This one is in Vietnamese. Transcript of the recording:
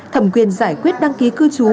thầm quyền giải quyết đăng ký cư trú